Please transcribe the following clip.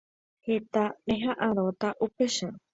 Heta reha'ãrõta upéicharõ.